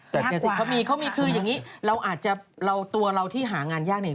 แต่จริงเขามีคืออย่างนี้เราอาจจะตัวเราที่หางานยากนี่